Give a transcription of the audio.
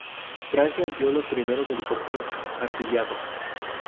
Francia empleó los primeros helicópteros artillados.